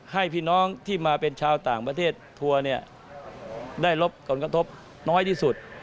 ให้พี่น้องที่มาเป็นชาวต่างประเทศทัวร์เนี่ยได้รับผลกระทบน้อยที่สุด